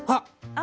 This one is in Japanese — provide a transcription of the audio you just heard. あ！